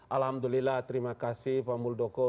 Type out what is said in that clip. alhamdulillah terima kasih pak muldoko